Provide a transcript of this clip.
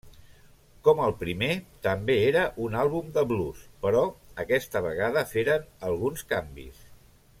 Com el primer també era un àlbum de blues, però aquesta vegada feren alguns canvis.